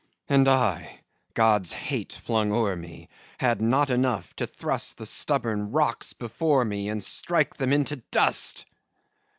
And I, God's hate flung o'er me, Had not enough, to thrust The stubborn rocks before me And strike them into dust!